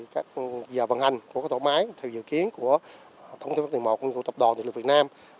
các giờ vận hành của tổ máy theo dự kiến của tổng thống tổng thống tổng thống tổng đồng việt nam